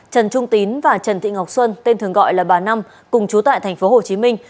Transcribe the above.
trần trung tín và trần thị ngọc xuân tên thường gọi là bà năm cùng chú tại thành phố hồ chí minh